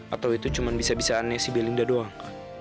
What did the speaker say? atau itu cuma bisa bisaannya si belinda doang